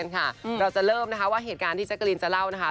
เราจะเริ่มนะคะว่าเหตุการณ์ที่แจ๊กกะรีนจะเล่านะคะ